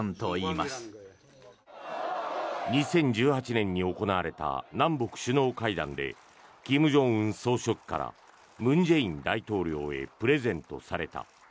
２０１８年に行われた南北首脳会談で金正恩総書記から文在寅大統領へプレゼントされた。